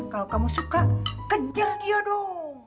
kalo kamu suka kejel dia dong